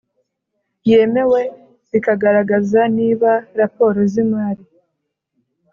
Yemewe bikagaragaza niba raporo z imari